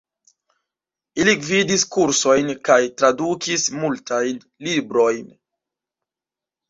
Li gvidis kursojn kaj tradukis multajn librojn.